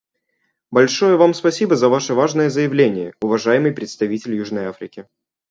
Большое Вам спасибо за Ваше важное заявление, уважаемый представитель Южной Африки.